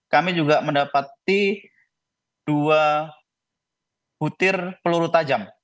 kami juga mendapati dua butir peluru tajam